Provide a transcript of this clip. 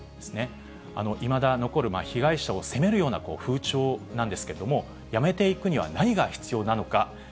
いまだ残る被害者を責めるような風潮なんですけれども、やめていくには何が必要なのか。